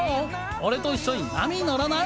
俺と一緒に波に乗らない？